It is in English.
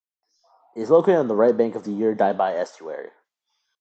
It is located on the right bank of the Urdaibai estuary.